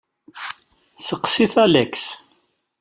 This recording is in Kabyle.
Steqsit Alex.